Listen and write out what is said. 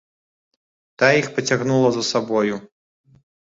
Тая іх пацягнула за сабою.